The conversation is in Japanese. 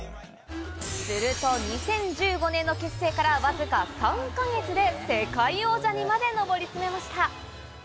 すると、２０１５年の結成からわずか３か月で世界王者にまで上り詰めました。